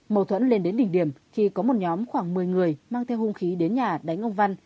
mâu thuẫn lên đến đỉnh điểm khi có một nhóm khoảng một mươi người mang theo hung khí đến nhà đánh ông văn